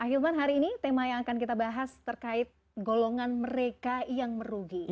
ahilman hari ini tema yang akan kita bahas terkait golongan mereka yang merugi